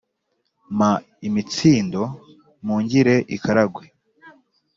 mpa imitsindo mpungire ikaragwe